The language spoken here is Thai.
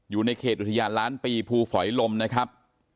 อยู่ในเขตอุทยานล้านปีภูฝอยลมนะครับ